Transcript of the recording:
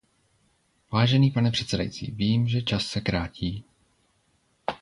Vážený pane předsedající, vím, že čas se krátí.